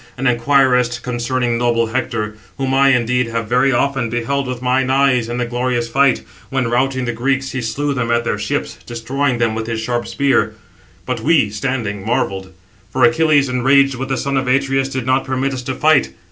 and inquirest concerning noble Hector; whom I, indeed, have very often beheld with mine eyes in the glorious fight, when, routing the Greeks, he slew them at their ships, destroying [them] with his sharp spear; but we, standing, marvelled; for Achilles, enraged with the son of Atreus, did not permit us to fight.